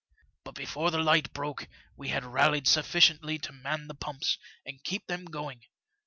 But before the light broke we had rallied suflBciently to man the pumps and keep them going.